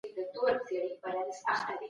که ته مرسته وکړي نو موږ به بریالي سو.